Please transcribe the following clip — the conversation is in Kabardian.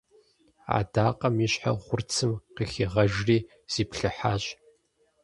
Адакъэм и щхьэр гъурцым къыхигъэжри зиплъыхьащ.